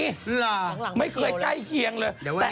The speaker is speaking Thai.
ไม่เคยใกล้เคียงเลย